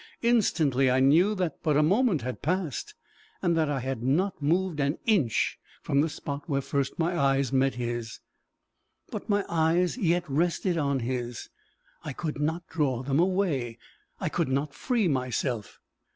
Instantly I knew that but a moment had passed, and that I had not moved an inch from the spot where first my eyes met his. But my eyes yet rested on his; I could not draw them away. I could not free myself.